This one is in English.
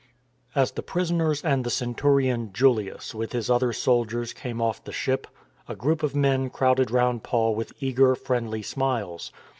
As the prisoners and the centurion Julius with his other soldiers came off the ship, a group of men crowded round Paul with eager, friendly smiles.